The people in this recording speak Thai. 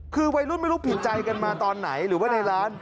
คือวัยรุ่นไม่รู้ผิดใจกันมาตอนไหนหรือว่าในร้าน